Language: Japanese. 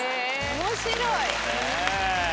面白い。